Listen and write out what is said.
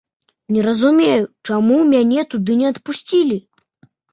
Не разумею, чаму мяне туды не адпусцілі.